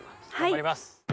頑張ります！